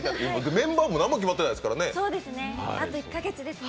メンバーも何も決まってないですからね。